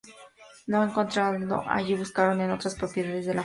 Al no encontrarlo allí buscaron en otras propiedades de la familia.